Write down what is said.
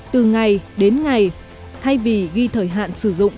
từ ngày đến ngày thay vì ghi thời hạn sử dụng